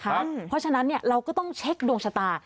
เพราะฉะนั้นเราก็ต้องเช็คดวงชะตา